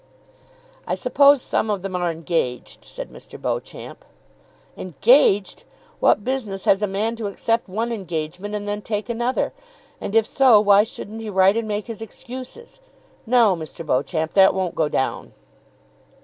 "I suppose some of them are engaged," said Mr. Beauclerk. "Engaged! What business has a man to accept one engagement and then take another? And, if so, why shouldn't he write and make his excuses? No, Mr. Beauclerk, that won't go down."